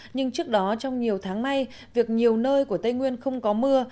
nhưng trước đó trong nhiều tháng nay việc nhiều nơi của tây nguyên không có mưa